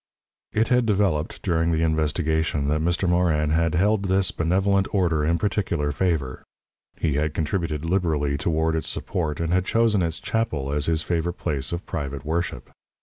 It had developed, during the investigation, that Mr. Morin had held this benevolent order in particular favour. He had contributed liberally toward its support and had chosen its chapel as his favourite place of private worship.